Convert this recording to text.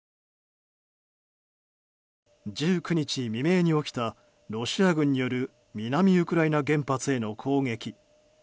１９日未明に起きたロシア軍による南ウクライナ原発への攻撃。